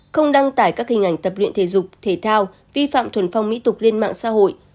không đăng tải các hình ảnh tập luyện thể dục thể thao vi phạm thuần phong mỹ tục lên mạng xã hội